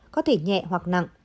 có thể nhẹ hoặc nặng